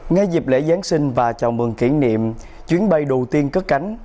ngay dịp lễ giáng sinh và chào mừng kỷ niệm chuyến bay đầu tiên cất cánh